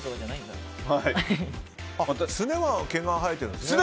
すねは毛が生えてるんですね。